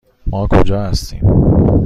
ما کجا هستیم؟